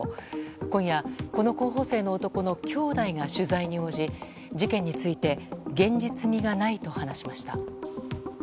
今夜、この候補生の男のきょうだいが取材に応じ事件について現実味がないと話しました。